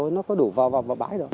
nó có đổ vào bãi đâu